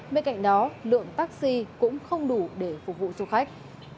bên cạnh đó lượng taxi cũng không đủ để phục vụ du khách